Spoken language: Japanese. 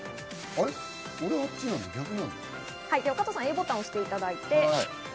加藤さん、Ａボタンを押していただいて。